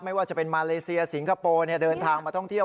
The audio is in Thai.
ไม่ว่าจะเป็นมาเลเซียสิงคโปร์เดินทางมาท่องเที่ยว